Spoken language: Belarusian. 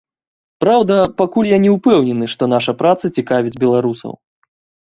Праўда, пакуль я не ўпэўнены, што наша праца цікавіць беларусаў.